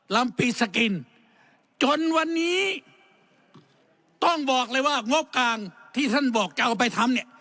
ลำปีสกินจนวันนี้ต้องบอกเลยว่างบกลางที่ท่านบอกจะเอาไปทำเนี่ย